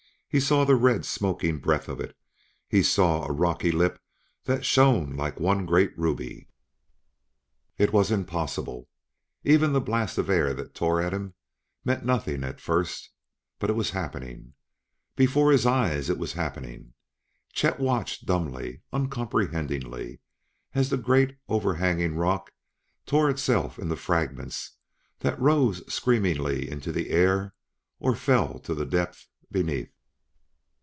He saw the red, smoking breath of it; he saw a rocky lip that shone like one great ruby. It was impossible! Even the blast of air that tore at him meant nothing at first! But it was happening! Before his eyes it was happening! Chet watched dumbly, uncomprehendingly, as that great overhanging rock tore itself into fragments that rose screamingly into the air or fell to the depths beneath.